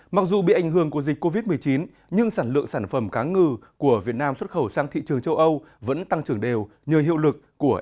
mặc dù bị ảnh hưởng của dịch covid một mươi chín nhưng sản lượng sản phẩm cá ngừ của việt nam xuất khẩu sang thị trường châu âu vẫn tăng trưởng đều nhờ hiệu lực của eu